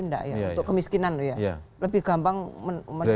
untuk kemiskinan lebih gampang menurunkan